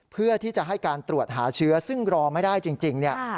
เพื่อที่จะให้การตรวจหาเชื้อซึ่งรอไม่ได้จริงเนี่ย